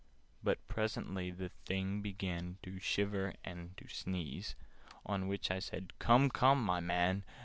But presently the Thing began To shiver and to sneeze: On which I said "Come, come, my man!